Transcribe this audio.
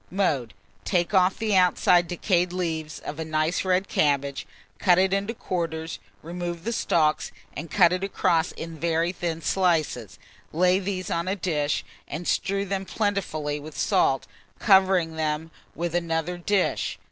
Mode. Take off the outside decayed leaves of a nice red cabbage, cut it in quarters, remove the stalks, and cut it across in very thin slices. Lay these on a dish, and strew them plentifully with salt, covering them with another dish.